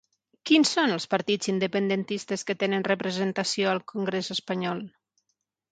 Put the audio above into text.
Quins són els partits independentistes que tenen representació al congrés espanyol?